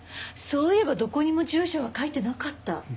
そういえばどこにも住所は書いてなかった。